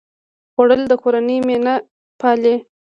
خوړل د کورنۍ مینه پالي